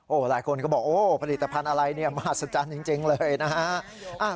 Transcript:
โอ้หลายคนก็บอกผลิตภัณฑ์อะไรนี่มาสัจจันทร์จริงเลยนะฮะ